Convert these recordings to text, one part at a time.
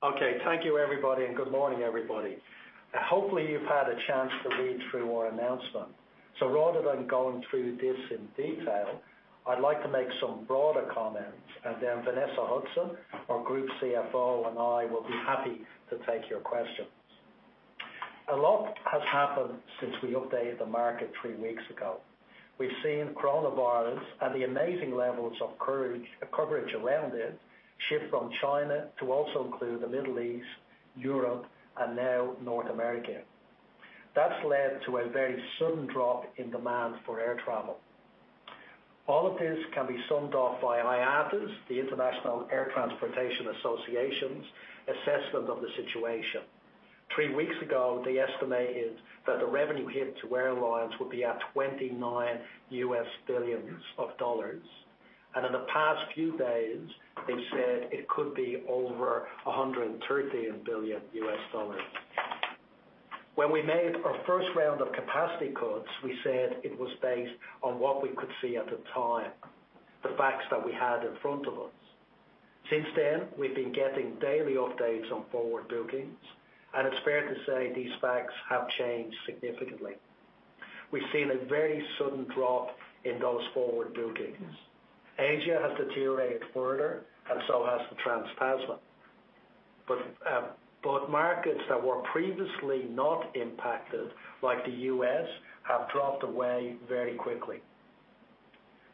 Okay, thank you everybody, and good morning everybody. Hopefully you've had a chance to read through our announcement. So rather than going through this in detail, I'd like to make some broader comments, and then Vanessa Hudson, our Group CFO, and I will be happy to take your questions. A lot has happened since we updated the market three weeks ago. We've seen coronavirus and the amazing levels of coverage around it shift from China to also include the Middle East, Europe, and now North America. That's led to a very sudden drop in demand for air travel. All of this can be summed up by IATA's, the International Air Transport Association's assessment of the situation. Three weeks ago, they estimated that the revenue hit to airlines would be $29 billion, and in the past few days, they said it could be over $130 billion. When we made our first round of capacity cuts, we said it was based on what we could see at the time, the facts that we had in front of us. Since then, we've been getting daily updates on forward bookings, and it's fair to say these facts have changed significantly. We've seen a very sudden drop in those forward bookings. Asia has deteriorated further, and so has the Trans-Tasman. But markets that were previously not impacted, like the U.S., have dropped away very quickly.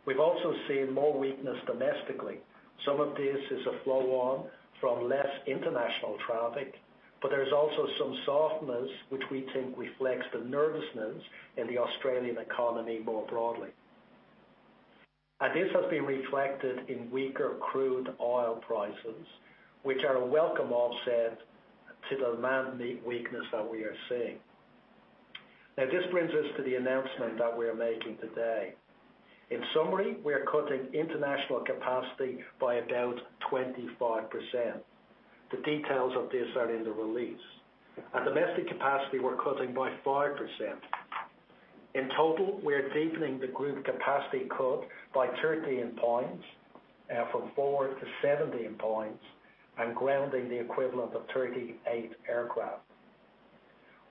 We've also seen more weakness domestically. Some of this is a flow-on from less international traffic, but there's also some softness which we think reflects the nervousness in the Australian economy more broadly, and this has been reflected in weaker crude oil prices, which are a welcome offset to the demand weakness that we are seeing. Now, this brings us to the announcement that we are making today. In summary, we are cutting international capacity by about 25%. The details of this are in the release. At domestic capacity, we're cutting by 5%. In total, we are deepening the group capacity cut by 13 points, from four to 17 points, and grounding the equivalent of 38 aircraft.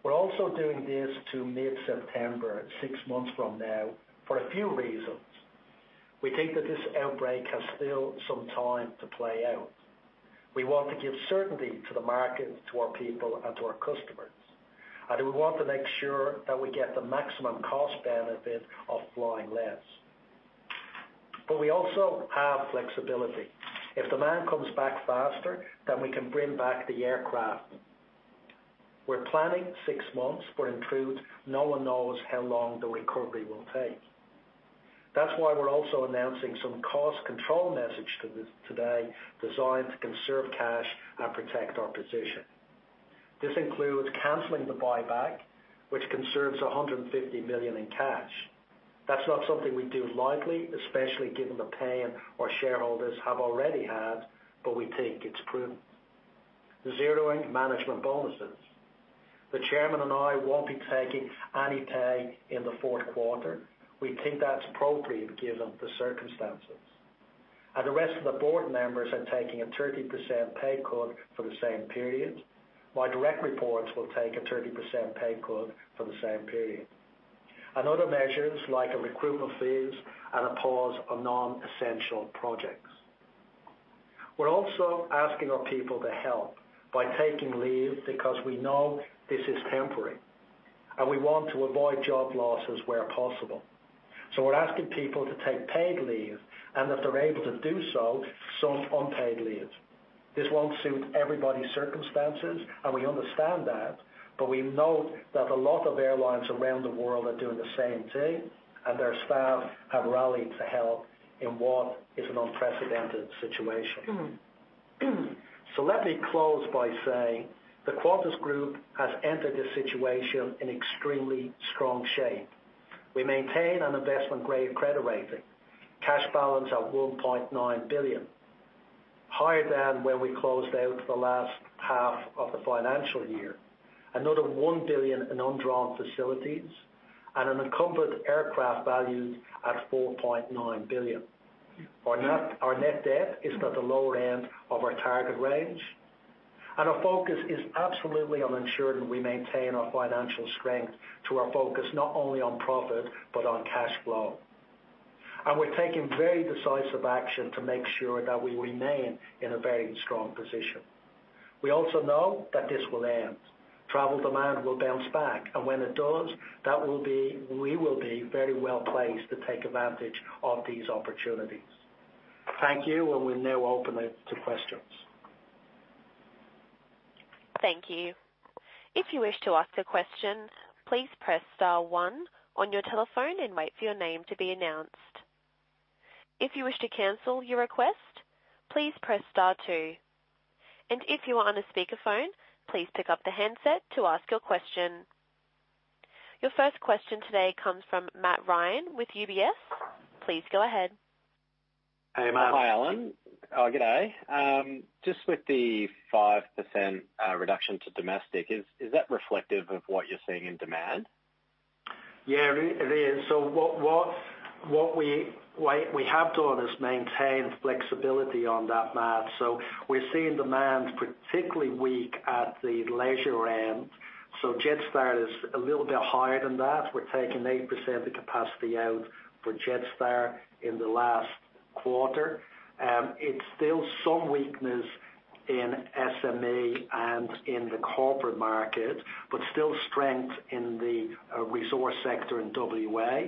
We're also doing this to mid-September, six months from now, for a few reasons. We think that this outbreak has still some time to play out. We want to give certainty to the market, to our people, and to our customers. And we want to make sure that we get the maximum cost benefit of flying less. But we also have flexibility. If demand comes back faster, then we can bring back the aircraft. We're planning six months for improved. No one knows how long the recovery will take. That's why we're also announcing some cost control messages today, designed to conserve cash and protect our position. This includes canceling the buyback, which conserves 150 million in cash. That's not something we do lightly, especially given the pain our shareholders have already had, but we think it's prudent. Zeroing management bonuses. The chairman and I won't be taking any pay in the fourth quarter. We think that's appropriate given the circumstances. The rest of the board members are taking a 30% pay cut for the same period. My direct reports will take a 30% pay cut for the same period. And other measures like a recruitment freeze and a pause on non-essential projects. We're also asking our people to help by taking leave because we know this is temporary, and we want to avoid job losses where possible. So we're asking people to take paid leave, and if they're able to do so, some unpaid leave. This won't suit everybody's circumstances, and we understand that, but we know that a lot of airlines around the world are doing the same thing, and their staff have rallied to help in what is an unprecedented situation. So let me close by saying the Qantas Group has entered this situation in extremely strong shape. We maintain an investment-grade credit rating, cash balance at 1.9 billion, higher than when we closed out the last half of the financial year. Another 1 billion in undrawn facilities and an unencumbered aircraft valued at 4.9 billion. Our net debt is at the lower end of our target range, and our focus is absolutely on ensuring, and we maintain our financial strength. That's our focus not only on profit but on cash flow. And we're taking very decisive action to make sure that we remain in a very strong position. We also know that this will end. Travel demand will bounce back, and when it does, we will be very well placed to take advantage of these opportunities. Thank you, and we're now open to questions. Thank you. If you wish to ask a question, please press star one on your telephone and wait for your name to be announced. If you wish to cancel your request, please press star two. And if you are on a speakerphone, please pick up the handset to ask your question. Your first question today comes from Matt Ryan with UBS. Please go ahead. Hey, Matt. Hi, Alan. Oh, good day. Just with the 5% reduction to domestic, is that reflective of what you're seeing in demand? Yeah, it is. So what we have done is maintain flexibility on that, Matt. So we're seeing demand particularly weak at the leisure end. So Jetstar is a little bit higher than that. We're taking 8% of the capacity out for Jetstar in the last quarter. It's still some weakness in SME and in the corporate market, but still strength in the resource sector in WA.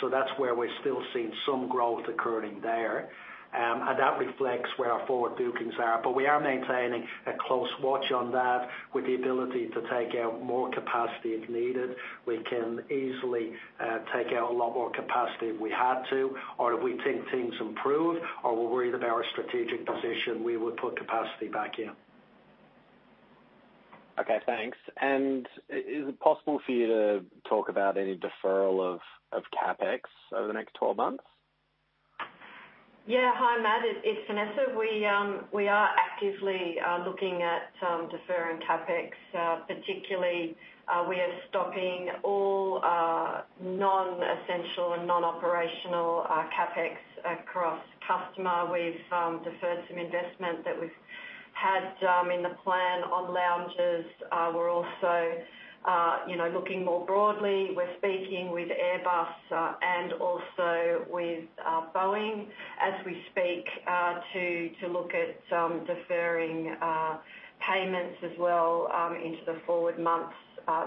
So that's where we're still seeing some growth occurring there. And that reflects where our forward bookings are. But we are maintaining a close watch on that with the ability to take out more capacity if needed. We can easily take out a lot more capacity if we had to, or if we think things improve, or we're worried about our strategic position, we would put capacity back in. Okay, thanks. And is it possible for you to talk about any deferral of CapEx over the next 12 months? Yeah. Hi, Matt. It's Vanessa. We are actively looking at deferring CapEx, particularly. We are stopping all non-essential and non-operational CapEx across customer. We've deferred some investment that we've had in the plan on lounges. We're also looking more broadly. We're speaking with Airbus and also with Boeing as we speak to look at deferring payments as well into the forward months.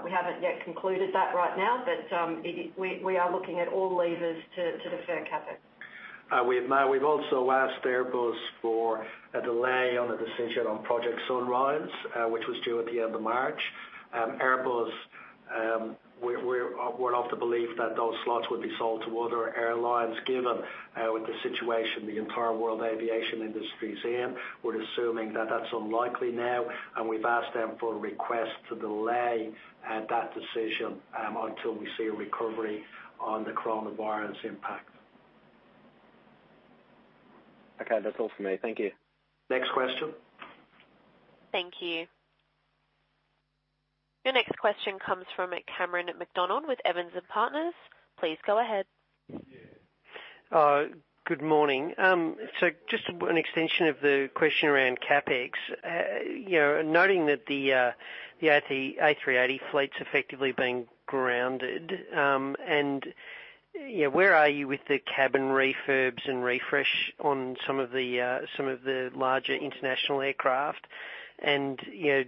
We haven't yet concluded that right now, but we are looking at all levers to defer CapEx. We've also asked Airbus for a delay on a decision on Project Sunrise, which was due at the end of March. Airbus, we're of the belief that those slots would be sold to other airlines given the situation the entire world aviation industry is in. We're assuming that that's unlikely now, and we've asked them for a request to delay that decision until we see a recovery on the coronavirus impact. Okay, that's all from me. Thank you. Next question. Thank you. Your next question comes from Cameron McDonald with Evans & Partners. Please go ahead. Good morning. So just an extension of the question around CapEx. Noting that the A380 fleet's effectively being grounded, and where are you with the cabin refurbs and refresh on some of the larger international aircraft? And you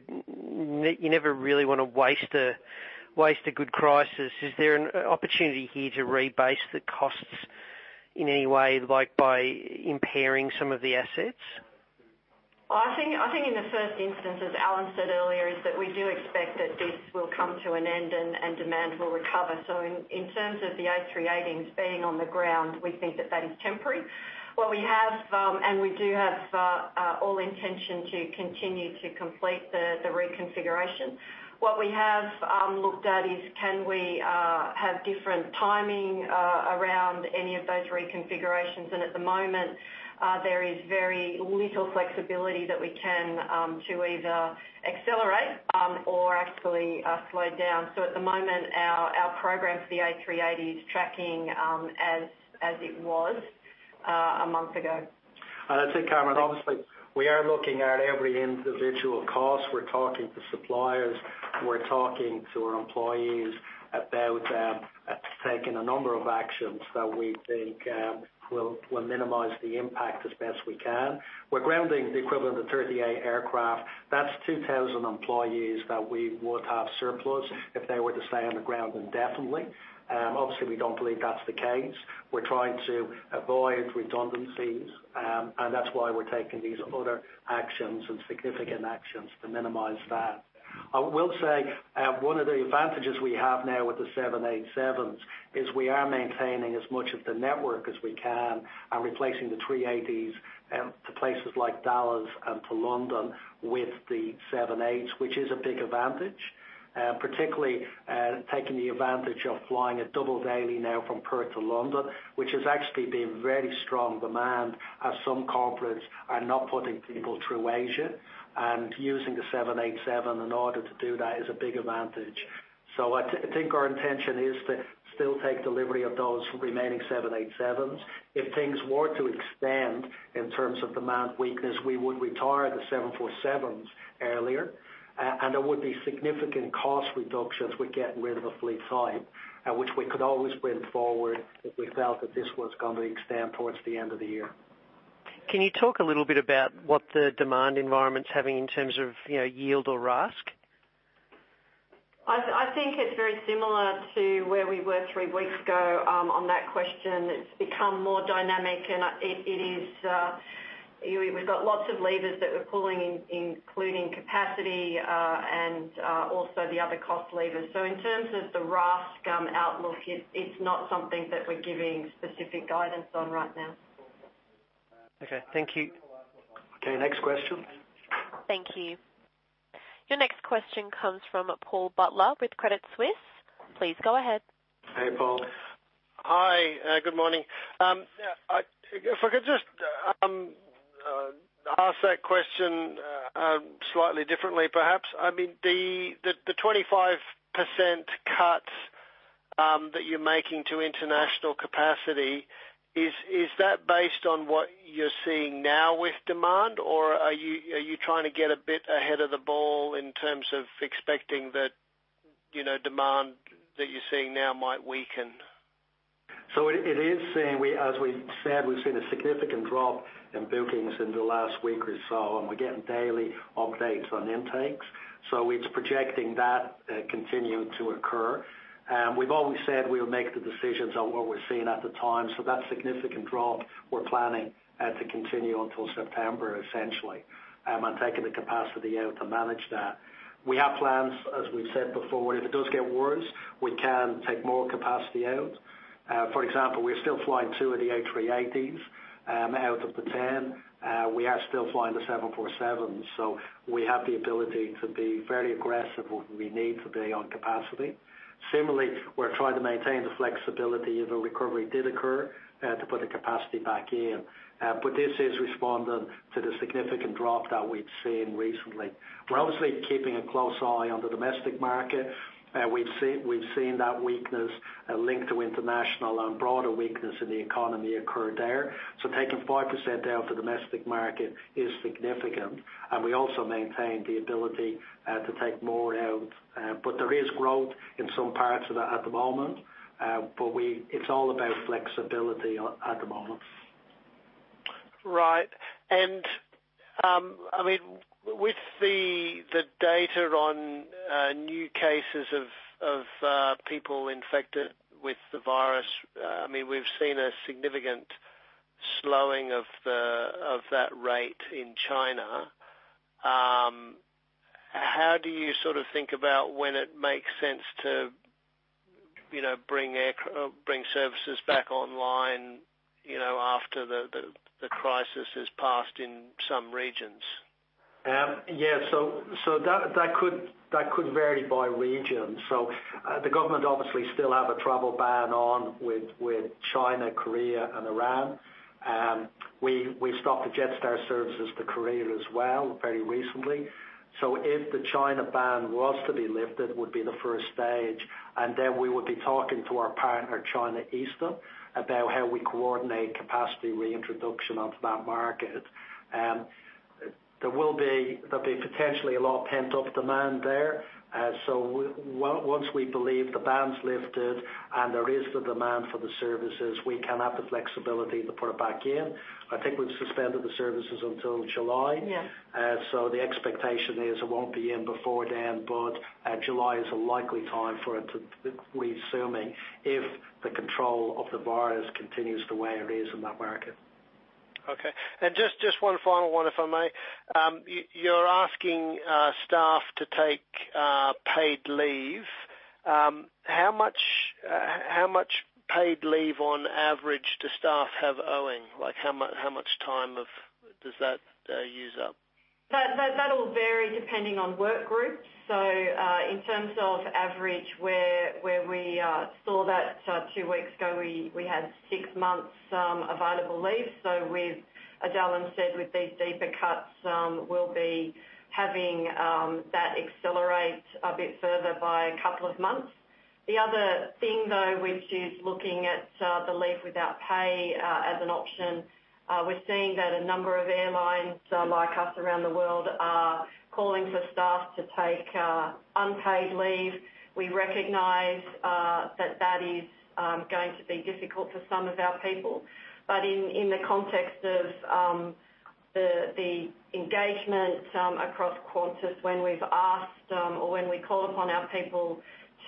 never really want to waste a good crisis. Is there an opportunity here to rebase the costs in any way, like by impairing some of the assets? I think in the first instance, as Alan said earlier, is that we do expect that this will come to an end and demand will recover, so in terms of the A380s being on the ground, we think that that is temporary. What we have, and we do have all intention to continue to complete the reconfiguration. What we have looked at is, can we have different timing around any of those reconfigurations, and at the moment, there is very little flexibility that we can to either accelerate or actually slow down, so at the moment, our program for the A380 is tracking as it was a month ago. I think, Cameron, obviously, we are looking at every individual cost. We're talking to suppliers. We're talking to our employees about taking a number of actions that we think will minimize the impact as best we can. We're grounding the equivalent of 38 aircraft. That's 2,000 employees that we would have surplus if they were to stay on the ground indefinitely. Obviously, we don't believe that's the case. We're trying to avoid redundancies, and that's why we're taking these other actions and significant actions to minimize that. I will say one of the advantages we have now with the 787s is we are maintaining as much of the network as we can and replacing the 380s to places like Dallas and to London with the 78s, which is a big advantage. Particularly taking the advantage of flying a double daily now from Perth to London, which has actually been very strong demand as some corporates are not putting people through Asia, and using the 787 in order to do that is a big advantage. So I think our intention is to still take delivery of those remaining 787s. If things were to extend in terms of demand weakness, we would retire the 747s earlier, and there would be significant cost reductions with getting rid of a fleet type, which we could always bring forward if we felt that this was going to extend towards the end of the year. Can you talk a little bit about what the demand environment's having in terms of yield or RASK? I think it's very similar to where we were three weeks ago on that question. It's become more dynamic, and we've got lots of levers that we're pulling, including capacity and also the other cost levers. So in terms of the RASK outlook, it's not something that we're giving specific guidance on right now. Okay, thank you. Okay, next question. Thank you. Your next question comes from Paul Butler with Credit Suisse. Please go ahead. Hey, Paul. Hi, good morning. If I could just ask that question slightly differently, perhaps. I mean, the 25% cut that you're making to international capacity, is that based on what you're seeing now with demand, or are you trying to get a bit ahead of the ball in terms of expecting that demand that you're seeing now might weaken? So it is seeing, as we said, we've seen a significant drop in bookings in the last week or so, and we're getting daily updates on intakes, so it's projecting that continuing to occur. We've always said we would make the decisions on what we're seeing at the time, so that significant drop, we're planning to continue until September, essentially, and taking the capacity out to manage that. We have plans, as we've said before, if it does get worse, we can take more capacity out. For example, we're still flying two of the A380s out of the 10. We are still flying the 747s, so we have the ability to be fairly aggressive where we need to be on capacity. Similarly, we're trying to maintain the flexibility if a recovery did occur to put the capacity back in. But this is responding to the significant drop that we've seen recently. We're obviously keeping a close eye on the domestic market. We've seen that weakness linked to international and broader weakness in the economy occur there. So taking 5% out of the domestic market is significant, and we also maintain the ability to take more out. But there is growth in some parts of that at the moment, but it's all about flexibility at the moment. Right. And I mean, with the data on new cases of people infected with the virus, I mean, we've seen a significant slowing of that rate in China. How do you sort of think about when it makes sense to bring services back online after the crisis has passed in some regions? Yeah, so that could vary by region, so the government obviously still has a travel ban on with China, Korea, and Iran. We stopped the Jetstar services to Korea as well very recently, so if the China ban was to be lifted, it would be the first stage, and then we would be talking to our partner, China Eastern, about how we coordinate capacity reintroduction onto that market. There will be potentially a lot of pent-up demand there, so once we believe the ban's lifted and there is the demand for the services, we can have the flexibility to put it back in. I think we've suspended the services until July, so the expectation is it won't be in before then, but July is a likely time for it to resume if the control of the virus continues the way it is in that market. Okay, and just one final one, if I may. You're asking staff to take paid leave. How much paid leave on average do staff have owing? How much time does that use up? That'll vary depending on work groups. So in terms of average, where we saw that two weeks ago, we had six months available leave. So as Alan said, with these deeper cuts, we'll be having that accelerate a bit further by a couple of months. The other thing, though, which is looking at the leave without pay as an option, we're seeing that a number of airlines like us around the world are calling for staff to take unpaid leave. We recognize that that is going to be difficult for some of our people. But in the context of the engagement across Qantas, when we've asked or when we call upon our people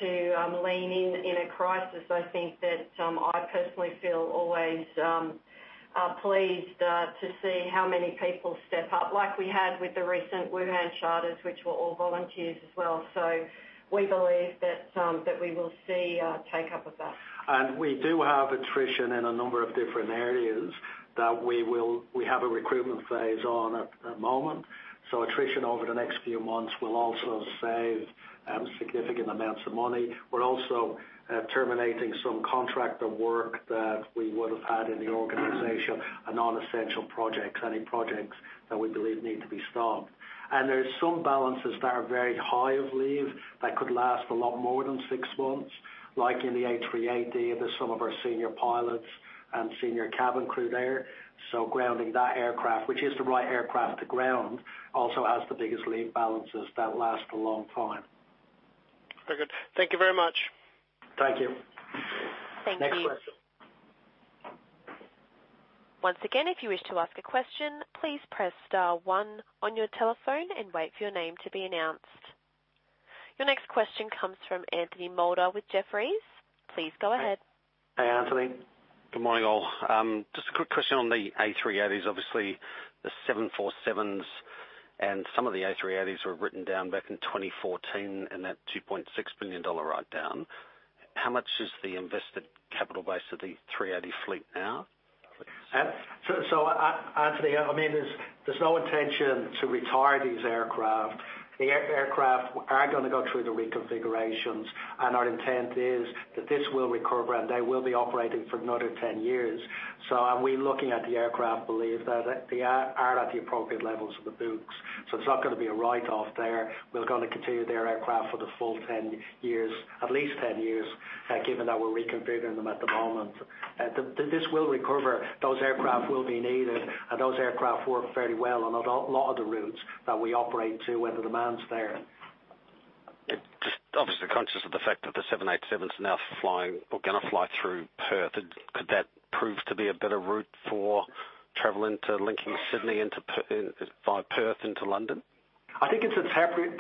to lean in in a crisis, I think that I personally feel always pleased to see how many people step up, like we had with the recent Wuhan charters, which were all volunteers as well. So we believe that we will see take-up of that. And we do have attrition in a number of different areas that we have a recruitment phase on at the moment. So attrition over the next few months will also save significant amounts of money. We're also terminating some contractor work that we would have had in the organization and non-essential projects, any projects that we believe need to be stopped. And there are some balances that are very high of leave that could last a lot more than six months. Like in the A380, there's some of our senior pilots and senior cabin crew there. So grounding that aircraft, which is the right aircraft to ground, also has the biggest leave balances that last a long time. Very good. Thank you very much. Thank you. Thank you. Next question. Once again, if you wish to ask a question, please press star one on your telephone and wait for your name to be announced. Your next question comes from Anthony Moulder with Jefferies. Please go ahead. Hey, Anthony. Good morning, all. Just a quick question on the A380s. Obviously, the 747s and some of the A380s were written down back in 2014 in that $2.6 billion write-down. How much is the invested capital base of the A380 fleet now? So Anthony, I mean, there's no intention to retire these aircraft. The aircraft are going to go through the reconfigurations, and our intent is that this will recover, and they will be operating for another 10 years. So, are we looking at the aircraft? We believe that they are at the appropriate levels on the books. So it's not going to be a write-off there. We're going to continue their aircraft for the full 10 years, at least 10 years, given that we're reconfiguring them at the moment. This will recover. Those aircraft will be needed, and those aircraft work very well on a lot of the routes that we operate to when the demand's there. Just obviously conscious of the fact that the 787s are now flying or going to fly through Perth, could that prove to be a better route for traveling to Lincoln, Sydney, via Perth into London? I think it's a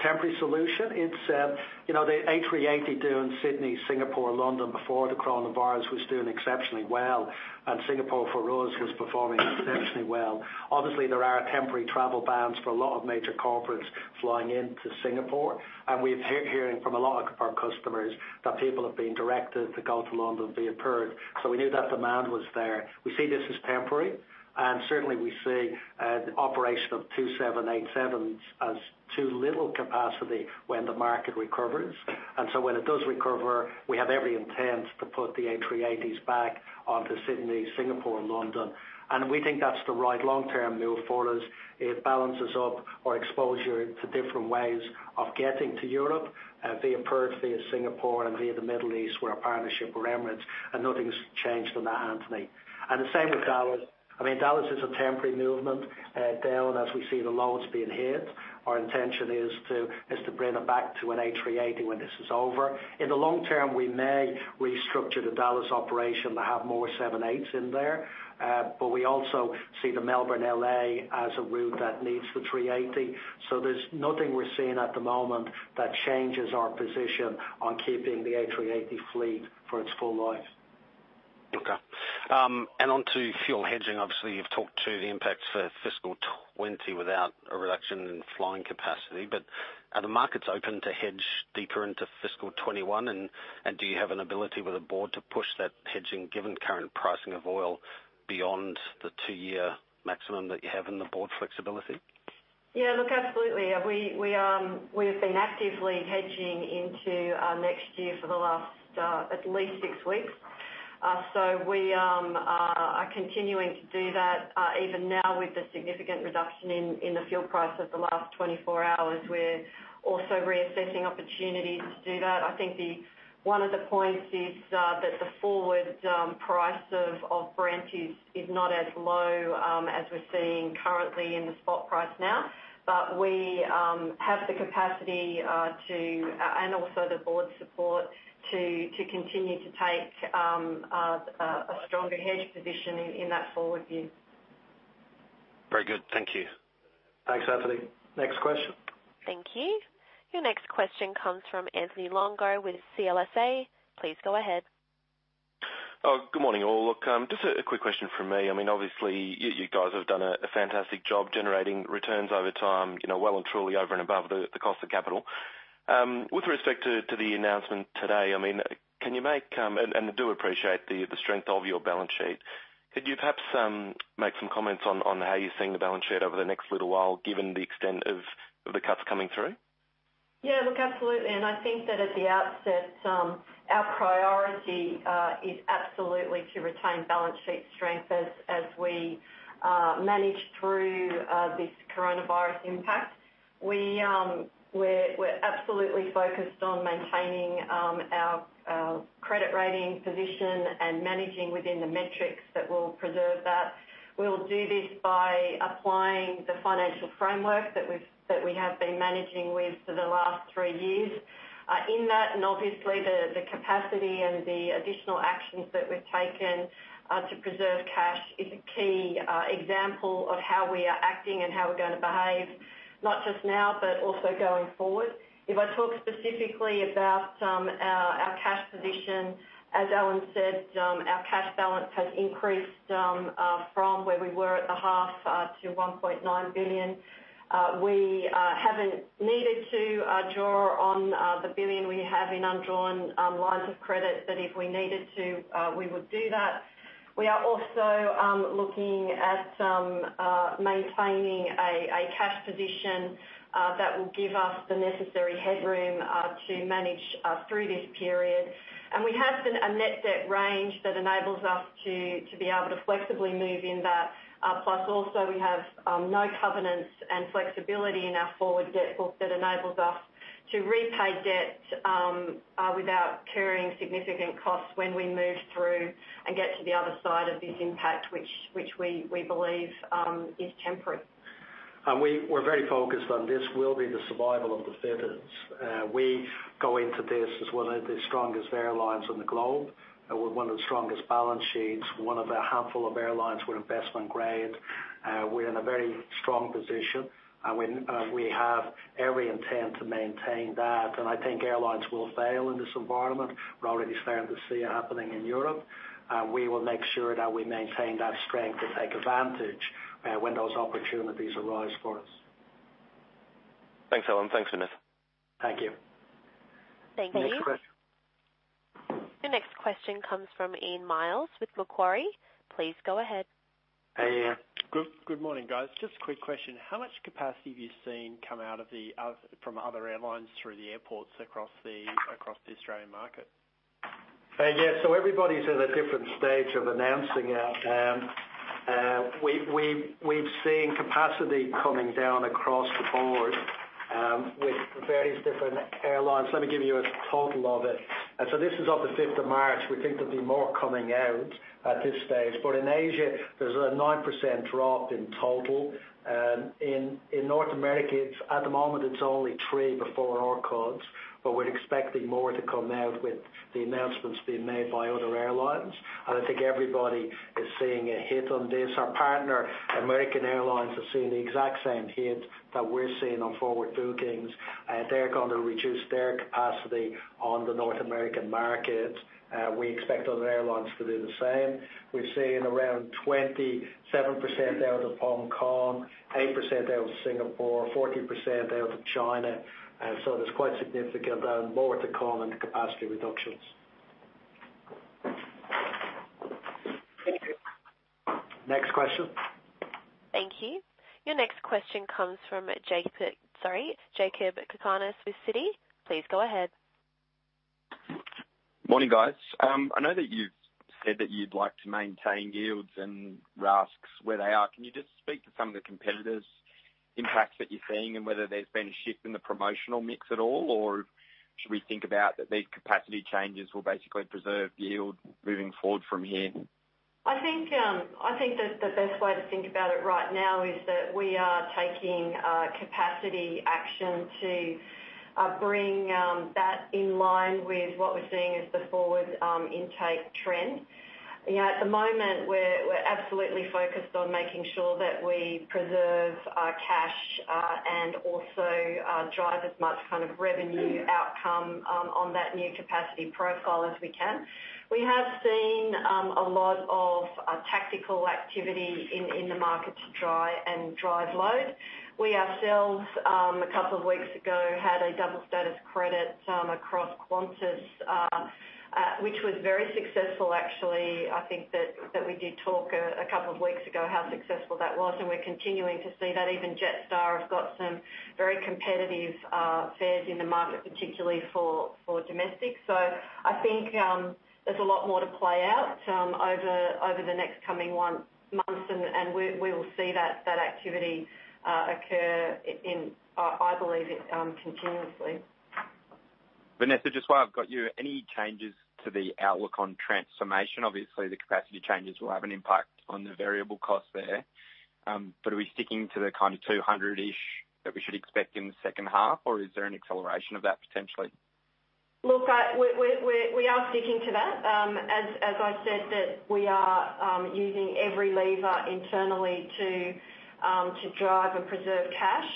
temporary solution. The A380 doing Sydney, Singapore, London before the coronavirus was doing exceptionally well, and Singapore for us was performing exceptionally well. Obviously, there are temporary travel bans for a lot of major corporates flying into Singapore. And we're hearing from a lot of our customers that people have been directed to go to London via Perth. So we knew that demand was there. We see this as temporary, and certainly we see the operation of two 787s as too little capacity when the market recovers. And so when it does recover, we have every intent to put the A380s back onto Sydney, Singapore, London. And we think that's the right long-term move for us. It balances up our exposure to different ways of getting to Europe via Perth, via Singapore, and via the Middle East where our partnership with Emirates. And nothing's changed on that, Anthony. And the same with Dallas. I mean, Dallas is a temporary movement down as we see the loads being hit. Our intention is to bring it back to an A380 when this is over. In the long term, we may restructure the Dallas operation to have more 78s in there, but we also see the Melbourne, LA as a route that needs the 380. So there's nothing we're seeing at the moment that changes our position on keeping the A380 fleet for its full life. Okay. And onto fuel hedging. Obviously, you've talked to the impacts for fiscal 2020 without a reduction in flying capacity. But are the markets open to hedge deeper into fiscal 2021? And do you have an ability with the board to push that hedging, given current pricing of oil beyond the two-year maximum that you have in the board flexibility? Yeah, look, absolutely. We have been actively hedging into next year for the last at least six weeks. So we are continuing to do that even now with the significant reduction in the fuel price of the last 24 hours. We're also reassessing opportunities to do that. I think one of the points is that the forward price of Brent is not as low as we're seeing currently in the spot price now, but we have the capacity to, and also the board support to continue to take a stronger hedge position in that forward view. Very good. Thank you. Thanks, Anthony. Next question. Thank you. Your next question comes from Anthony Longo with CLSA. Please go ahead. Oh, good morning, all. Look, just a quick question from me. I mean, obviously, you guys have done a fantastic job generating returns over time, well and truly over and above the cost of capital. With respect to the announcement today, I mean, can you make, and I do appreciate the strength of your balance sheet, could you perhaps make some comments on how you're seeing the balance sheet over the next little while given the extent of the cuts coming through? Yeah, look, absolutely. And I think that at the outset, our priority is absolutely to retain balance sheet strength as we manage through this coronavirus impact. We're absolutely focused on maintaining our credit rating position and managing within the metrics that will preserve that. We'll do this by applying the financial framework that we have been managing with for the last three years. In that, and obviously, the capacity and the additional actions that we've taken to preserve cash is a key example of how we are acting and how we're going to behave, not just now, but also going forward. If I talk specifically about our cash position, as Alan said, our cash balance has increased from where we were at the half to 1.9 billion. We haven't needed to draw on the 1 billion we have in undrawn lines of credit, but if we needed to, we would do that. We are also looking at maintaining a cash position that will give us the necessary headroom to manage through this period. And we have a net debt range that enables us to be able to flexibly move in that. Plus, also, we have no covenants and flexibility in our forward debt book that enables us to repay debt without carrying significant costs when we move through and get to the other side of this impact, which we believe is temporary. We're very focused on this will be the survival of the fittest. We go into this as one of the strongest airlines in the globe. We're one of the strongest balance sheets, one of a handful of airlines with investment-grade. We're in a very strong position, and we have every intent to maintain that, and I think airlines will fail in this environment. We're already starting to see it happening in Europe, and we will make sure that we maintain that strength to take advantage when those opportunities arise for us. Thanks, Alan. Thanks, Vanessa. Thank you. Thank you. Next question. Your next question comes from Ian Myles with Macquarie. Please go ahead. Hey, Ian. Good morning, guys. Just a quick question. How much capacity have you seen come out of the other airlines through the airports across the Australian market? Yeah, so everybody's at a different stage of announcing it. We've seen capacity coming down across the board with various different airlines. Let me give you a total of it, and so this is of the 5th of March. We think there'll be more coming out at this stage, but in Asia, there's a 9% drop in total. In North America, at the moment, it's only 3% before our codes, but we're expecting more to come out with the announcements being made by other airlines, and I think everybody is seeing a hit on this. Our partner, American Airlines, is seeing the exact same hit that we're seeing on forward bookings. They're going to reduce their capacity on the North American market. We expect other airlines to do the same. We're seeing around 27% out of Hong Kong, 8% out of Singapore, 40% out of China. And so there's quite significant down, more to come in the capacity reductions. Next question. Thank you. Your next question comes from Jakob Cakarnis with Citi. Please go ahead. Morning, guys. I know that you've said that you'd like to maintain yields and RASKs where they are. Can you just speak to some of the competitors' impacts that you're seeing and whether there's been a shift in the promotional mix at all, or should we think about that these capacity changes will basically preserve yield moving forward from here? I think that the best way to think about it right now is that we are taking capacity action to bring that in line with what we're seeing as the forward intake trend. At the moment, we're absolutely focused on making sure that we preserve our cash and also drive as much kind of revenue outcome on that new capacity profile as we can. We have seen a lot of tactical activity in the market to try and drive load. We ourselves, a couple of weeks ago, had a double status credit across Qantas, which was very successful, actually. I think that we did talk a couple of weeks ago how successful that was, and we're continuing to see that. Even Jetstar has got some very competitive fares in the market, particularly for domestic. So I think there's a lot more to play out over the next coming months, and we will see that activity occur, I believe, continuously. Vanessa, just while I've got you, any changes to the outlook on Transformation? Obviously, the capacity changes will have an impact on the variable cost there. But are we sticking to the kind of 200-ish that we should expect in the second half, or is there an acceleration of that potentially? Look, we are sticking to that. As I said, we are using every lever internally to drive and preserve cash.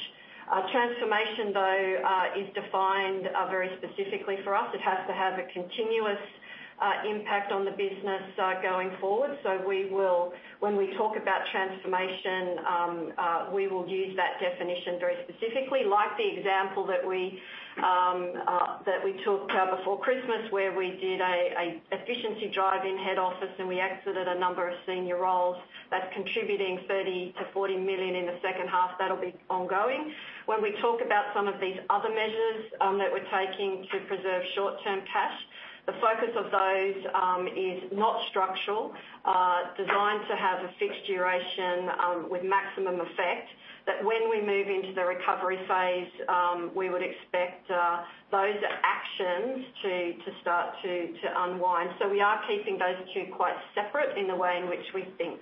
Transformation, though, is defined very specifically for us. It has to have a continuous impact on the business going forward. So when we talk about transformation, we will use that definition very specifically, like the example that we took before Christmas, where we did an efficiency drive in head office and we exited a number of senior roles. That's contributing 30 million-40 million in the second half. That'll be ongoing. When we talk about some of these other measures that we're taking to preserve short-term cash, the focus of those is not structural, designed to have a fixed duration with maximum effect, that when we move into the recovery phase, we would expect those actions to start to unwind. We are keeping those two quite separate in the way in which we think.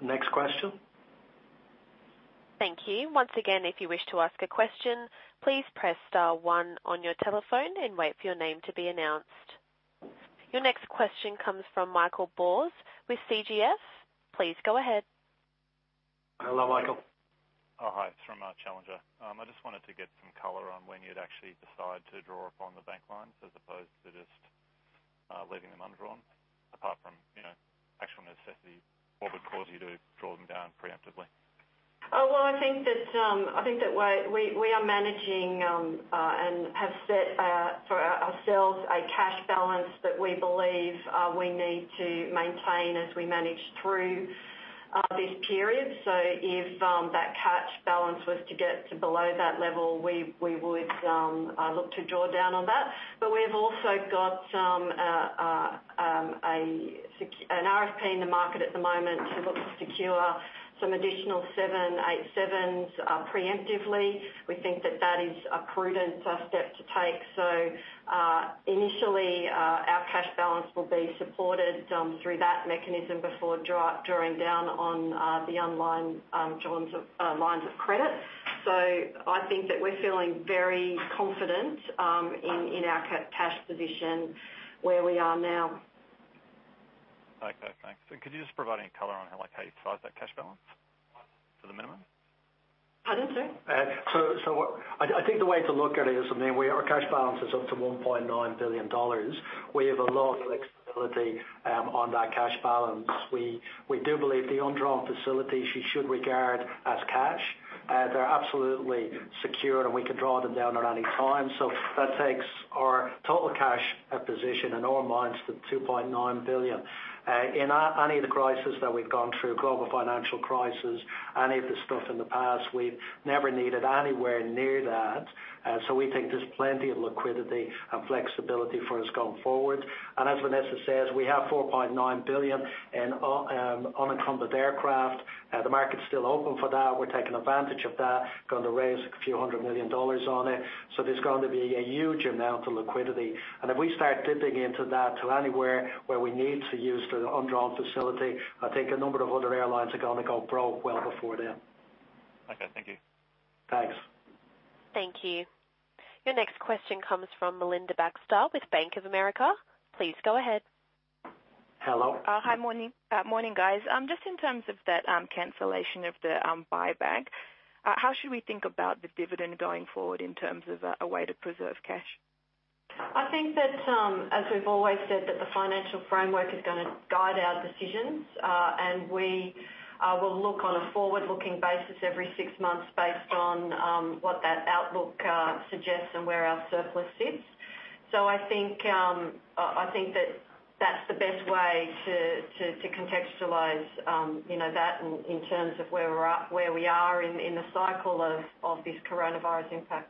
Next question. Thank you. Once again, if you wish to ask a question, please press star one on your telephone and wait for your name to be announced. Your next question comes from Michael Bors with CGS. Please go ahead. Hello, Michael. Oh, hi. It's from Challenger. I just wanted to get some color on when you'd actually decide to draw upon the bank lines as opposed to just leaving them undrawn, apart from actual necessity. What would cause you to draw them down preemptively? Oh, well, I think that we are managing and have set for ourselves a cash balance that we believe we need to maintain as we manage through this period. So if that cash balance was to get to below that level, we would look to draw down on that. But we have also got an RFP in the market at the moment to look to secure some additional 787s preemptively. We think that that is a prudent step to take. So initially, our cash balance will be supported through that mechanism before drawing down on the undrawn lines of credit. So I think that we're feeling very confident in our cash position where we are now. Okay, thanks. And could you just provide any color on how you survive that cash balance to the minimum? Pardon, sir? So I think the way to look at it is, I mean, our cash balance is up to 1.9 billion dollars. We have a lot of flexibility on that cash balance. We do believe the undrawn facilities you should regard as cash. They're absolutely secure, and we can draw them down at any time. So that takes our total cash position in our minds to 2.9 billion. In any of the crises that we've gone through, global financial crisis, any of the stuff in the past, we've never needed anywhere near that. So we think there's plenty of liquidity and flexibility for us going forward. And as Vanessa says, we have 4.9 billion on unencumbered aircraft. The market's still open for that. We're taking advantage of that, going to raise a few hundred million dollars on it. So there's going to be a huge amount of liquidity. And if we start dipping into that to anywhere where we need to use the undrawn facility, I think a number of other airlines are going to go broke well before then. Okay, thank you. Thanks. Thank you. Your next question comes from Melinda Baxter with Bank of America. Please go ahead. Hello. Hi, morning, guys. Just in terms of that cancellation of the buyback, how should we think about the dividend going forward in terms of a way to preserve cash? I think that, as we've always said, that the financial framework is going to guide our decisions, and we will look on a forward-looking basis every six months based on what that outlook suggests and where our surplus sits. So I think that that's the best way to contextualize that in terms of where we are in the cycle of this coronavirus impact.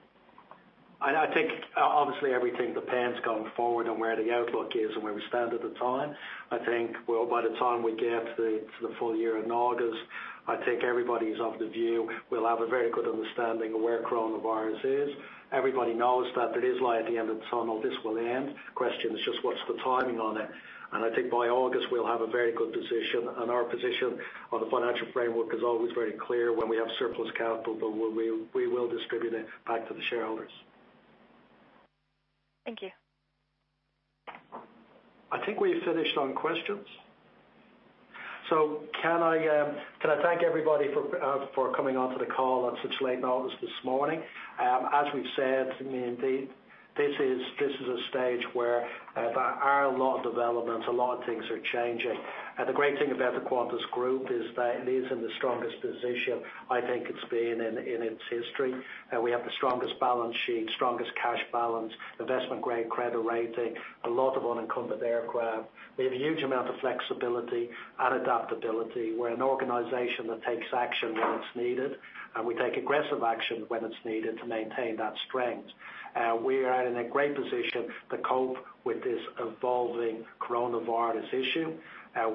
I think, obviously, everything depends going forward on where the outlook is and where we stand at the time. I think by the time we get to the full year in August, I think everybody is of the view we'll have a very good understanding of where coronavirus is. Everybody knows that it is like the end of the tunnel. This will end. The question is just what's the timing on it, and I think by August, we'll have a very good position, and our position on the financial framework is always very clear when we have surplus capital, but we will distribute it back to the shareholders. Thank you. I think we've finished on questions. So can I thank everybody for coming onto the call at such late hours this morning? As we've said, I mean, this is a stage where there are a lot of developments. A lot of things are changing. And the great thing about the Qantas Group is that it is in the strongest position I think it's been in its history. We have the strongest balance sheet, strongest cash balance, investment-grade credit rating, a lot of unencumbered aircraft. We have a huge amount of flexibility and adaptability. We're an organization that takes action when it's needed, and we take aggressive action when it's needed to maintain that strength. We are in a great position to cope with this evolving coronavirus issue.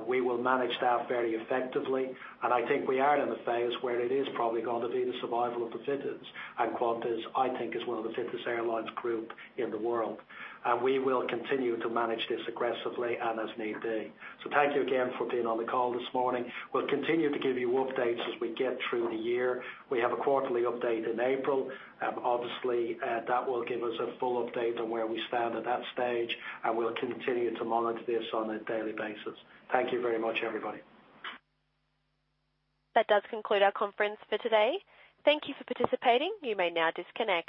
We will manage that very effectively. And I think we are in a phase where it is probably going to be the survival of the fittest. And Qantas, I think, is one of the fittest airline groups in the world. And we will continue to manage this aggressively and as need be. So thank you again for being on the call this morning. We'll continue to give you updates as we get through the year. We have a quarterly update in April. Obviously, that will give us a full update on where we stand at that stage, and we'll continue to monitor this on a daily basis. Thank you very much, everybody. That does conclude our conference for today. Thank you for participating. You may now disconnect.